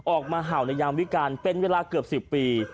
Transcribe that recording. เหมาในยามวิการเป็นเวลาเกือบ๑๐ปี